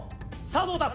さあどうだ？